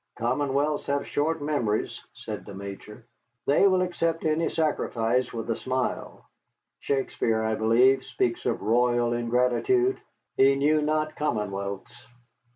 "Commonwealths have short memories," said the Major; "they will accept any sacrifice with a smile. Shakespeare, I believe, speaks of royal ingratitude he knew not commonwealths.